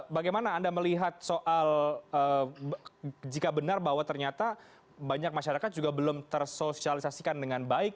bagaimana anda melihat soal jika benar bahwa ternyata banyak masyarakat juga belum tersosialisasikan dengan baik